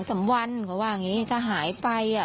เขาว่าอย่างนี้ถ้าหายไป